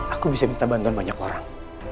aku bisa minta bantuan banyak orang